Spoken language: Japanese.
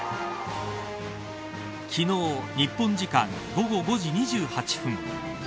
昨日、日本時間午後５時２８分。